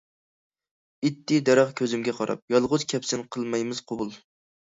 ئېيتتى دەرەخ كۆزۈمگە قاراپ، يالغۇز كەپسەن قىلمايمىز قوبۇل.